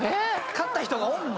買った人がおんのよ。